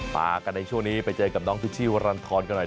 พากันในช่วงนี้ไปเจอกับน้องพิชชี่วรรณฑรกันหน่อย